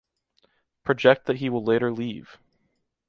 Project that he will later leave.